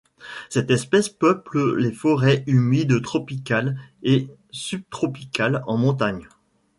Cette espèce peuple les forêts humides tropicales et subtropicales en montagne.